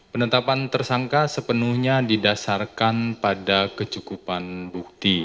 penetapan tersangka sepenuhnya didasarkan pada kecukupan bukti